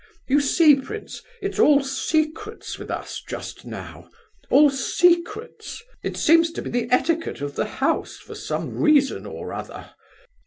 "You see, prince, it is all secrets with us, just now—all secrets. It seems to be the etiquette of the house, for some reason or other.